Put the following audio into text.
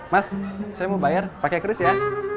mas saya mau bayar pakai kris ya